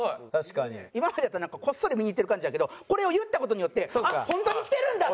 今までやったらこっそり見に行ってる感じやけどこれを言った事によってあっ本当に来てるんだって